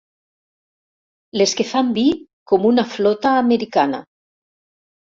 Les que fan vi, com una flota americana.